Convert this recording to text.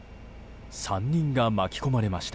３人が巻き込まれました。